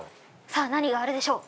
さあ何があるでしょう？